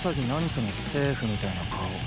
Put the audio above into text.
そのセーフみたいな顔。